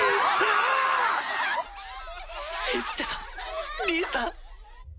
信じてた兄さん。